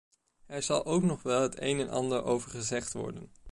Er zal ook nog wel het een en ander over gezegd worden.